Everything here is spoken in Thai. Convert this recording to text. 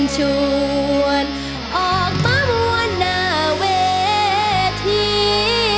ชวนออกประมวนนาเวที